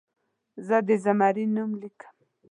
زه د زمري نوم لیکم.